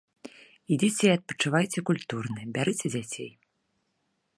Ідзіце і адпачывайце культурна, бярыце дзяцей.